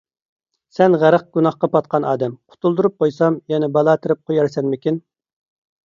سەن غەرق گۇناھقا پاتقان ئادەم، قۇتۇلدۇرۇپ قويسام، يەنە بالا تېرىپ قويارسەنمىكىن؟